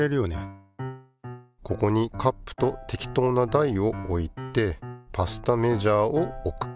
ここにカップと適当な台を置いてパスタメジャーを置く。